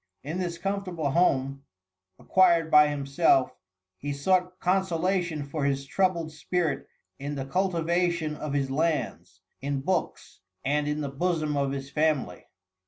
In this comfortable home, acquired by himself, he sought consolation for his troubled spirit in the cultivation of his lands, in books and in the bosom of his family.